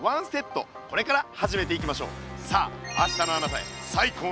これから始めていきましょう。